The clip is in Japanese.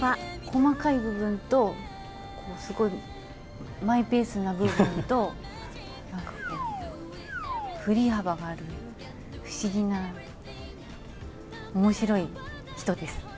細かい部分と、すごいマイペースな部分と、なんかこう、振り幅がある、不思議なおもしろい人です。